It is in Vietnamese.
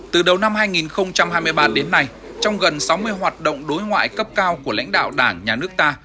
từ đầu năm hai nghìn hai mươi ba đến nay trong gần sáu mươi hoạt động đối ngoại cấp cao của lãnh đạo đảng nhà nước ta